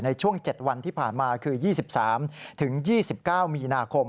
ในช่วง๗วันที่ผ่านมาคือ๒๓๒๙มีนาคม